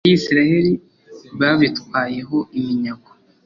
abayisraheli babitwayeho iminyago